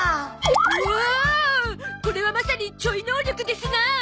おお！これはまさにちょい能力ですな